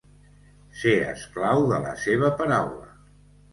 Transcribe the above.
Ser esclau de la seva paraula.